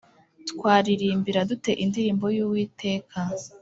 Twaririmbira dute indirimbo y uwiteka